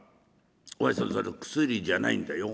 「お前さんそれ薬じゃないんだよ。